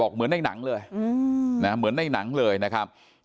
บอกเหมือนในหนังเลยอืมนะครับเหมือนในหนังเลยนะครับ